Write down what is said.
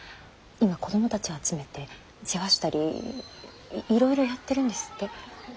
今子供たちを集めて世話したりいろいろやってるんですって。